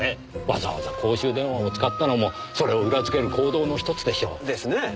わざわざ公衆電話を使ったのもそれを裏づける行動のひとつでしょう。ですね。